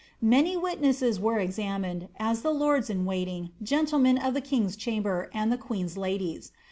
*" Blany witnesses were examined, as the lords in waiting, gentlemen of the king's chamber, and the queen's ladies.